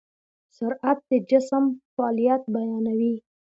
سرعت د جسم فعالیت بیانوي.